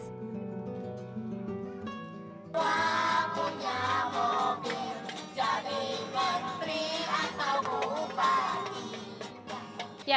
hanya mobil jadikan pria sepupu bagi kita